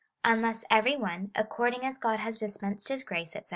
Unless every one, according as God has dispensed his grace, &c.